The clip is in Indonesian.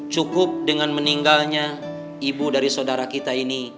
cukup dengan meninggalnya ibu dari saudara kita ini